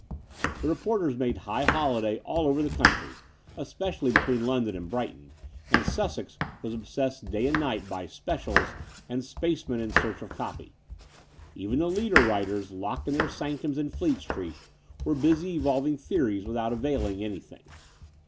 The reporters made high holiday all over the country, especially between London and Brighton, and Sussex was obsessed day and night by * 'specials'* and space men in search of copy. Even the leader writers, locked in their sanctums in Fleet Street, were busy evolving theories without availing anything.